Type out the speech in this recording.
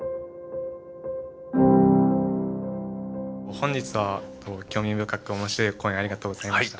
本日は興味深く面白い講演ありがとうございました。